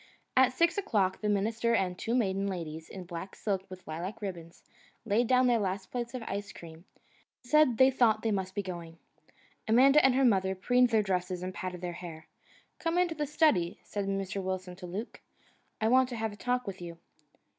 At six o'clock, the minister and two maiden ladies in black silk with lilac ribbons, laid down their last plates of ice cream and said they thought they must be going. Amanda and her mother preened their dresses and patted their hair. "Come into the study," said Mr. Wilson to Luke. "I want to have a talk with you."